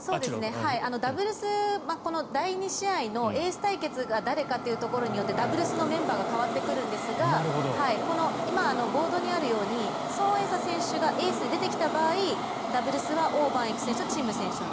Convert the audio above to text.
ダブルス第２試合のエース対決が誰かというところによってダブルスのメンバーが変わってくるんですが今、ボードにあるようにソン・エイサ選手がエースで出てきた場合はダブルスはオウ・バンイク選手とチン・ム選手。